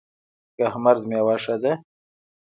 کهمرد میوه ښه ده؟